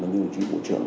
như chính bộ trưởng